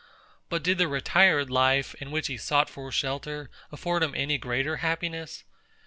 But did the retired life, in which he sought for shelter, afford him any greater happiness?